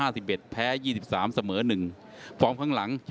สวัสดีครับ